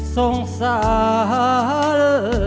เพลงพร้อมร้องได้ให้ล้าน